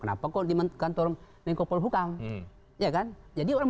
kenapa di kantor mengkopul hukam